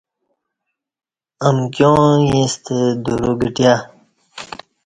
امکیاں اِیݩستہ دورو گھٹیہ